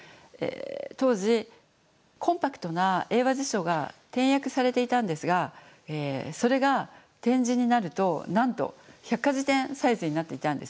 当時コンパクトな英和辞書が点訳されていたんですがそれが点字になるとなんと百科事典サイズになっていたんですね。